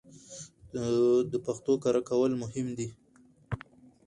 د پښتو کره کول مهم دي